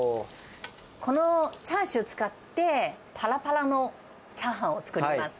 このチャーシュー使って、ぱらぱらのチャーハンを作ります。